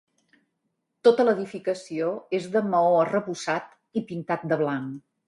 Tota l’edificació és de maó arrebossat i pintat de blanc.